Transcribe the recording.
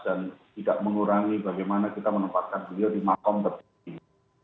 dan tidak mengurangi bagaimana kita menempatkan beliau di makam tersebut